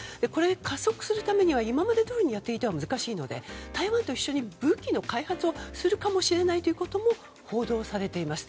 加速するためには今までどおりにやっていたのは難しいので台湾と一緒に武器の開発をするかもしれないということも報道されています。